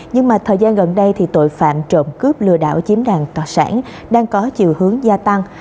nhưng mà thời gian gần đây thì tội phạm trộm cướp lừa đảo chiếm đoạt tài sản đang có chiều hướng gia tăng